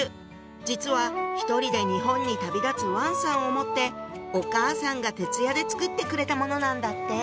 実は１人で日本に旅立つ王さんを思ってお母さんが徹夜で作ってくれたものなんだって！